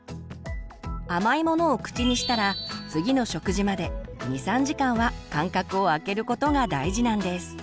甘いものを口にしたら次の食事まで２３時間は間隔をあけることが大事なんです。